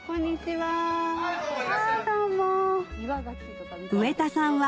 はい。